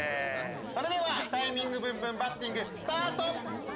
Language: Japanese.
それではタイミングブンブンバッティングスタート！